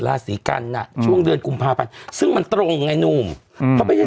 ราศีกรรณอะช่วงเดือนกุมภาพันธุ์ซึ่งมันตรงไงหนูเขาไป